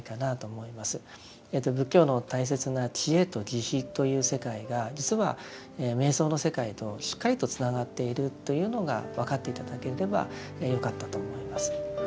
仏教の大切な智慧と慈悲という世界が実は瞑想の世界としっかりとつながっているというのが分かって頂ければよかったと思います。